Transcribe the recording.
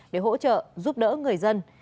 để hỗ trợ giúp đỡ người dân